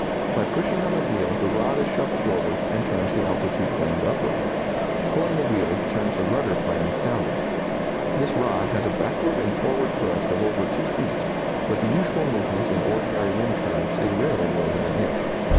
By pushing on the wheel the rod is shoved forward and turns the altitude planes upward. Pulling the wheel turns the rudder planes downward. This rod has a backward and forward thrust of over two feet, but the usual movement in ordinary wind currents is rarely more than an inch.